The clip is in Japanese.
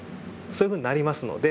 そういうふうになりますので。